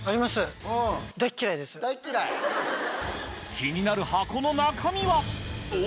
気になる箱の中身はお！